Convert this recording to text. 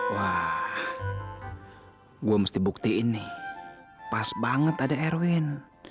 wah gue mesti buktiin nih pas banget ada erwin